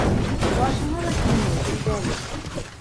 Башыңа ла килмәй, билдәле.